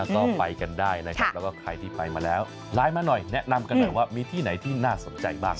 ก็ไปกันได้นะครับแล้วก็ใครที่ไปมาแล้วไลน์มาหน่อยแนะนำกันหน่อยว่ามีที่ไหนที่น่าสนใจบ้าง